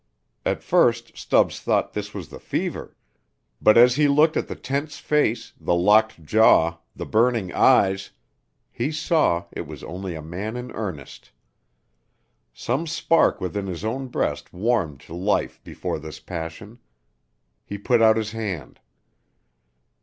At first Stubbs thought this was the fever, but as he looked at the tense face, the locked jaw, the burning eyes, he saw it was only a man in earnest. Some spark within his own breast warmed to life before this passion. He put out his hand.